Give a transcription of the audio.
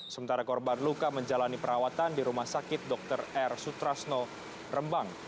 sementara korban luka menjalani perawatan di rumah sakit dr r sutrasno rembang